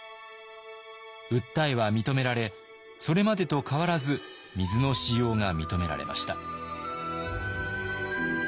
訴えは認められそれまでと変わらず水の使用が認められました。